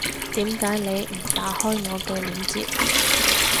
點解你唔打開我嘅鏈接